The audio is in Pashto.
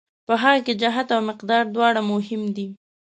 په هغه کې جهت او مقدار دواړه مهم دي.